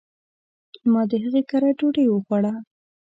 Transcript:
ما د هغي کره ډوډي وخوړه .